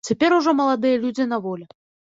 Цяпер ужо маладыя людзі на волі.